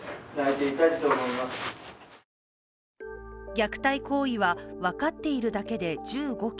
虐待行為は分かっているだけで１５件。